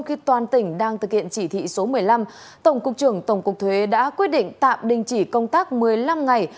khi toàn tỉnh đang thực hiện chỉ thị số một mươi năm tổng cục trưởng tổng cục thuế đã quyết định tạm đình chỉ công tác một mươi năm ngày